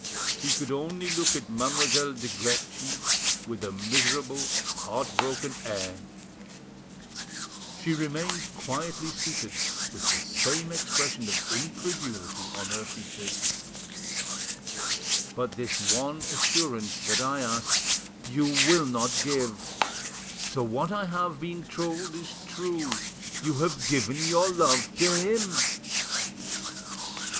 He could only look at Mademoiselle de Guerchi with a miserable, heart broken air. She remained quietly seated, with the same expression of incredulity on her features. So there was nothing for it but to go on once more. "But this one assurance that I ask you will not give. So what I have—been told is true: you have given your love to him."